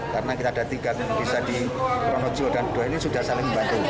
karena kita ada tiga bisa di pronojiwo dan dua ini sudah saling membantu